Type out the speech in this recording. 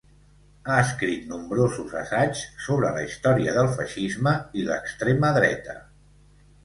Ha escrit nombrosos assaigs sobre la història del feixisme i l'extrema dreta.